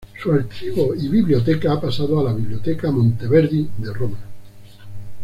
Su archivo y biblioteca ha pasado a la Biblioteca Monteverdi de Roma.